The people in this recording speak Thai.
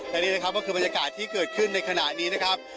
และนี่นะครับก็คือบรรยากาศที่เกิดขึ้นในขณะนี้นะครับ